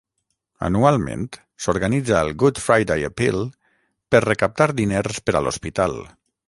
Anualment, s'organitza el "Good Friday Appeal" per recaptar diners per a l'hospital.